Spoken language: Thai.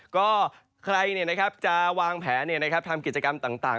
ก็ใครจะวางแผนทำกิจกรรมต่าง